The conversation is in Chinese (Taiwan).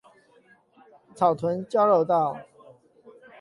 草屯交流道